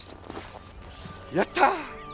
やった！